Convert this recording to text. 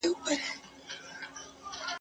خدایه کشکي مي دا شپه نه ختمېدلای !.